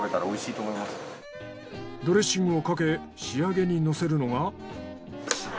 ドレッシングをかけ仕上げに乗せるのが。